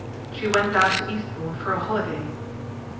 She went down to Eastbourne for a holiday."